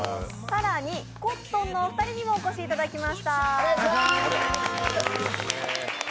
更にコットンのお二人にもお越しいただきました。